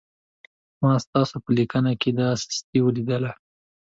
ما ستاسو په لیکنه کې دا سستي ولیدله.